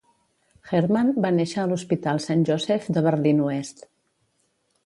Hermann va néixer a l'hospital Saint Joseph de Berlín Oest.